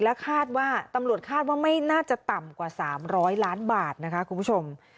และคาดว่าตำรวจคาดว่าไม่น่าจะต่ำกว่า๓๐๐ล้านบาทนะคะคุณผู้ชม